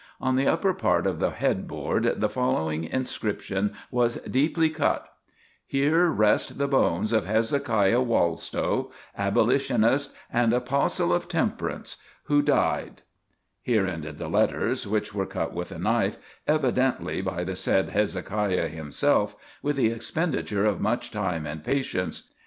On the upper part of the headboard the following inscription was deeply cut: HERE REST THE BONES OF HEZEKIAH WALLSTOW ABOLITIONIST AND APOSTLE OF TEMPERANCE WHO DIED Here ended the letters, which were cut with a knife, evidently by the said Hezekiah himself, with the expenditure of much time and patience.